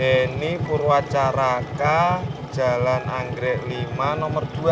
ini purwacaraka jalan anggrek lima nomor dua